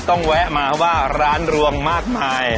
ต้องแวะมาเพราะว่าร้านรวงมากมาย